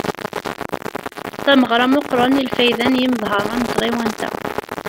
Tameɣra meqqren i lfayda n yimeḍharen n tɣiwant-a.